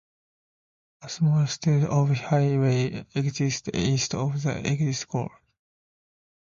A small stub of highway exists east of the exit gore.